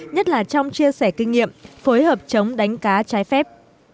nhất là trong chia sẻ kinh nghiệm phối hợp chống đánh cá trái phép